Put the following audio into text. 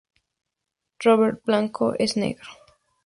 Roberto Blanco es negro.